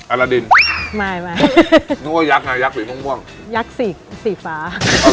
อรดินไม่ไม่นึกว่ายักษะยักษ์สีม่วงยักษ์สีฟ้า